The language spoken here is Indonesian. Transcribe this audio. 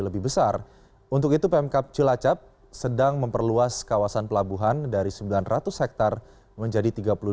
lebih besar untuk itu pmk cilacap sedang memperluas kawasan pelabuhan dari sembilan ratus hektare menjadi tiga puluh dua